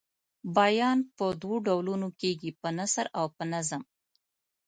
بیان په دوو ډولونو کیږي په نثر او په نظم.